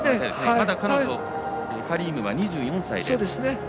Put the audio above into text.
まだ彼女、カリームは２４歳で。